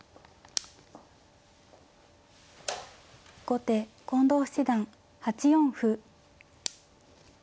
後手近藤七段８四歩。